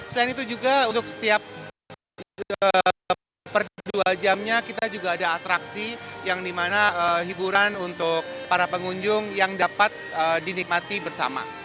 selain itu juga untuk setiap per dua jamnya kita juga ada atraksi yang dimana hiburan untuk para pengunjung yang dapat dinikmati bersama